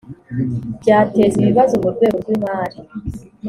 byateza ibibazo mu rwego rw imari